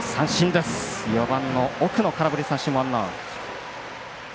４番の奥野、空振り三振。